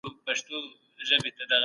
جمشېد